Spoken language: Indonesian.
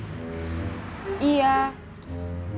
berada pada situasi apa